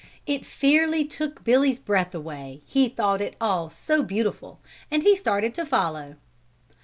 It fairly took Billy's breath away, he thought it all so beautiful, and he started to follow.